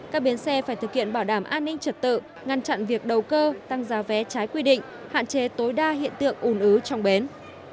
các bến xe phải thực hiện bảo đảm an ninh trật tự ngăn chặn việc đầu cơ tăng giá vé trái quy định hạn chế tối đa hiện tượng ùn ứ trong bến